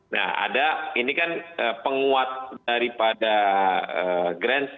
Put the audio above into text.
nah ini kan penguat daripada grandstand